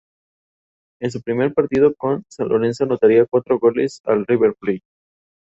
Esto inició propiamente la disputa de fronteras.